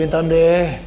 yên tâm đi